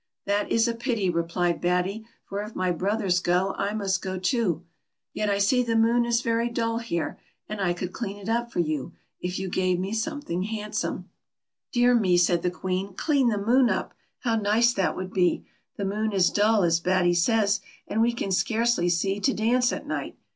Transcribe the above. " That is a pity," replied Batty, " for if my brothers go I must go too. Yet I see the moon is very dull here, and I could clean it up for you, if you gave me some thing handsome." 2IO PATTY. "Dear me," said the Queen, "clean the moon up! How nice that would be The moon is dull, as Batt>' says, and we can scarcely see to dance at night.